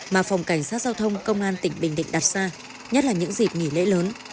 mà phòng cảnh sát giao thông công an tỉnh bình định đặt ra nhất là những dịp nghỉ lễ lớn